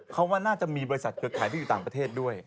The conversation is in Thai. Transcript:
เขาว่าน่าจะมีบริษัทเครือข่ายที่อยู่ต่างประเทศด้วย